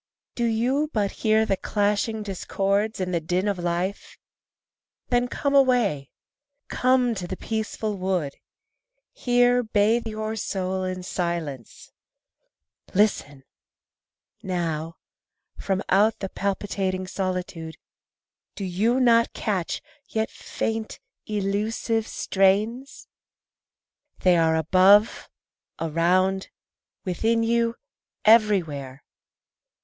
Do you but hear the clashing discords and the din of life? Then come away, come to the peaceful wood, Here bathe your soul in silence. Listen! Now, From out the palpitating solitude Do you not catch, yet faint, elusive strains? They are above, around, within you, everywhere.